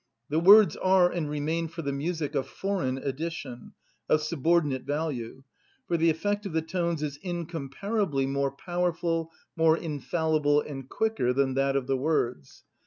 The words are and remain for the music a foreign addition, of subordinate value, for the effect of the tones is incomparably more powerful, more infallible, and quicker than that of the words.